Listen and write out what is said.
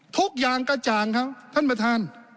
ทุกอย่างกระจ่างครับท่านประธาน